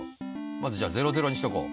まずじゃあにしとこう。